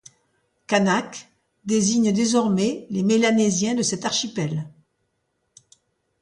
Kanak désigne désormais les Mélanésiens de cet archipel.